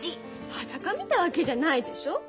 裸見たわけじゃないでしょ。